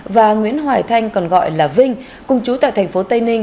và nguyễn hoài thanh còn gọi là vinh cùng chú tại tp tây ninh